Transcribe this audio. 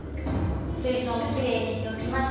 水槽もきれいにしておきました。